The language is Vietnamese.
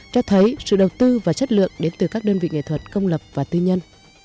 cho thấy sự đầu tư và chất lượng đến từ các đơn vị nghệ thuật công lập và tư nhân